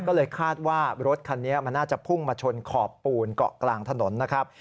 ก็เลยคาดว่ารถคันนี้มันน่าจะพุ่งมาชนขอบปูนเกาะกลางถนนนะครับ